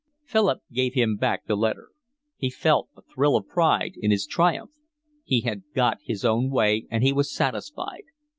Philip gave him back the letter. He felt a thrill of pride in his triumph. He had got his own way, and he was satisfied.